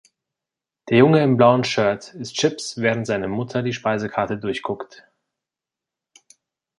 Der Junge im blauen Shirt isst Chips, während seine Mutter die Speisekarte durchguckt.